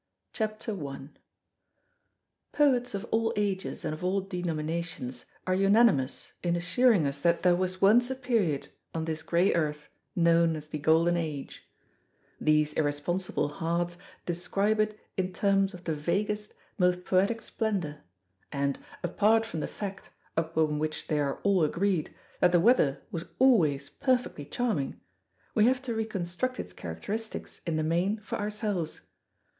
CHAPTER ONE Poets of all ages and of all denominations are unanimous in assuring us that there was once a period on this grey earth known as the Golden Age. These irresponsible hards describe it in terms of the vaguest, most poetic splendour, and, apart from the fact, upon which they are all agreed, that the weather was always perfectly charming, we have to reconstruct its characteristics in the main for ourselves.